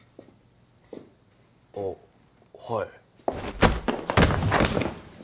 あッはい